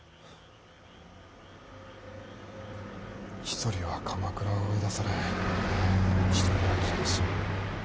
一人は鎌倉を追い出され一人は謹慎。